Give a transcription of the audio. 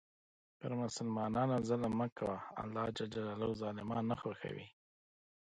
پر مسلمانانو ظلم مه کوه، الله ظالمان نه خوښوي.